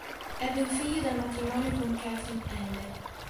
Ebbe un figlio dal matrimonio con Katherine L..